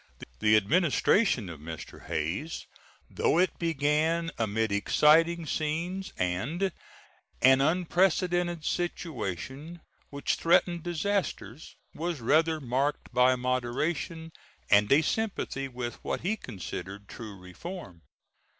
The Administration of Mr. Hayes, though it began amid exciting scenes and an unprecedented situation which threatened disasters, was rather marked by moderation and a sympathy with what he considered true reform.